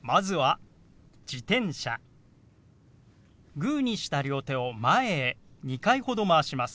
グーにした両手を前へ２回ほどまわします。